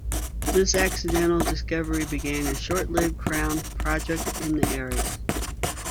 This accidental discovery began a short-lived crown "project" in the area.